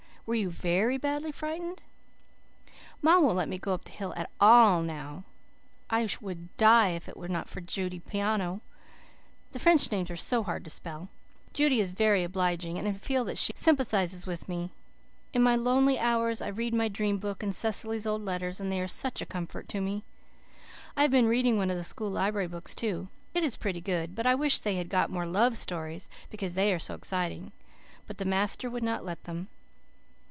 Were you VERY badly frightened? "Ma won't let me go up the hill AT ALL now. I would DIE if it was not for Judy Pinno. (The French names are SO HARD TO SPELL.) JUDY IS VERY OBLIGING and I feel that she SIMPATHISES WITH ME. In my LONELY HOURS I read my dream book and Cecily's old letters and they are SUCH A COMFORT to me. I have been reading one of the school library books too. I is PRETTY GOOD but I wish they had got more LOVE STORIES because they are so exciting. But the master would not let them.